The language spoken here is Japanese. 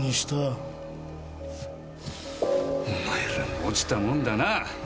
お前らも落ちたもんだな。